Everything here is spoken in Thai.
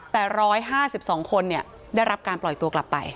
แต่๑๕๒คนได้รับการปล่อยตัวกลับไป